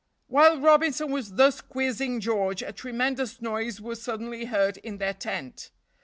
While Robinson was thus quizzing George, a tremendous noise was suddenly heard in their tent.